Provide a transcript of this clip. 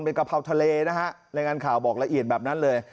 เป็นกะเพราทะเลนะฮะรายงานข่าวบอกละเอียดแบบนั้นเลย